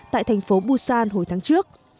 tại thành phố busan hồi tháng trước